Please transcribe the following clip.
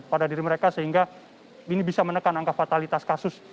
pada diri mereka sehingga ini bisa menekan angka fatalitas kasus